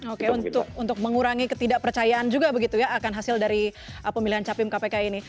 oke untuk mengurangi ketidakpercayaan juga begitu ya akan hasil dari pemilihan capim kpk ini